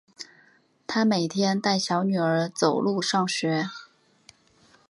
她每天带小女儿走路上学